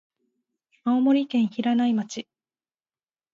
青森県平内町